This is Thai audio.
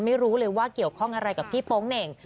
ไม่รู้เลยว่าเกี่ยวข้องอะไรกับพี่โป๊งเหน่ง